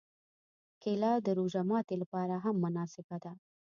کېله د روژه ماتي لپاره هم مناسبه ده.